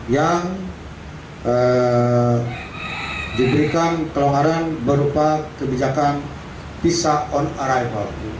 yang diberikan kelonggaran berupa kebijakan visa on arrival